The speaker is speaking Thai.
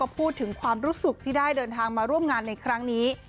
พูดถึงความรู้สึกที่ได้เดินทางมาร่วมงานในครั้งนี้